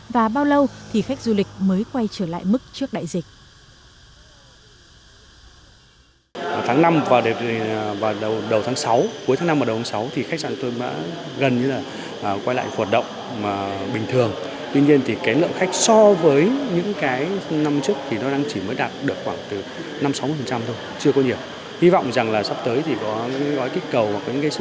và bao lâu thì khách du lịch mới quay trở lại mức trước đại dịch